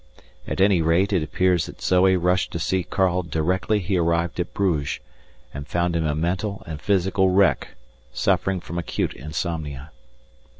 At any rate it appears that Zoe rushed to see Karl directly he arrived at Bruges, and found him a mental and physical wreck, suffering from acute insomnia.